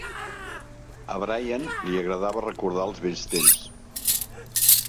A Brian li agradava recordar els vells temps.